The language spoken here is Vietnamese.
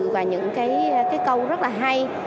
và những cái câu rất là hay